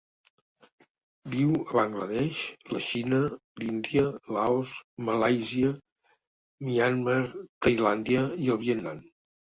Viu a Bangla Desh, la Xina, l'Índia, Laos, Malàisia, Myanmar, Tailàndia i el Vietnam.